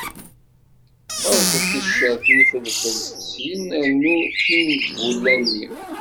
Eẓd ticcert n yifelfel syen rnu-t i tgulla-nni.